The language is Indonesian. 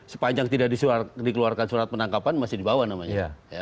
sepanjang tidak dikeluarkan surat penangkapan masih dibawa namanya